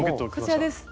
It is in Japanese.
こちらです！